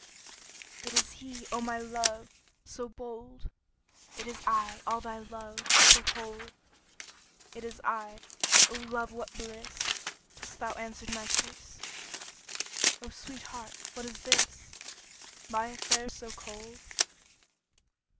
It is he—O my love! So bold! It is I—all thy love Foretold! 20 It is I—O love, what bliss! Dost thou answer to my kiss? O sweetheart! what is this Lieth there so cold?